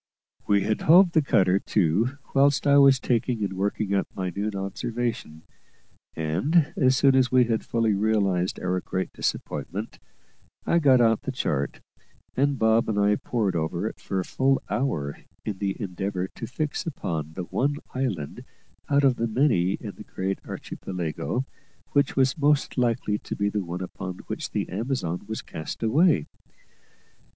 We had hove the cutter to whilst I was taking and working up my noon observation; and, as soon as we had fully realised our great disappointment, I got out the chart, and Bob and I pored over it for a full hour in the endeavour to fix upon the one island out of the many in the great Archipelago which was most likely to be the one upon which the Amazon was cast away.